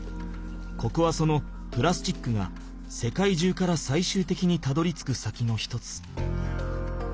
ここはそのプラスチックが世界中からさいしゅうてきにたどりつく先の一つ。